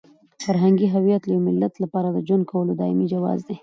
فرهنګي هویت د یو ملت لپاره د ژوند کولو دایمي جواز دی.